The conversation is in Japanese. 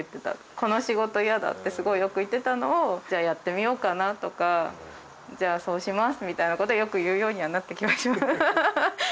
「この仕事嫌だ」ってすごいよく言ってたのを「じゃあやってみようかな」とか「じゃあそうします」みたいなことはよく言うようにはなった気が。